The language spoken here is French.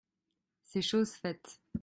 C’est chose faite.